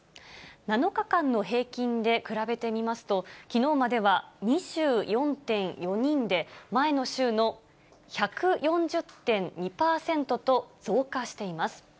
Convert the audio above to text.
７日間の平均で比べてみますと、きのうまでは２４．４人で、前の週の１４０．２％と、増加しています。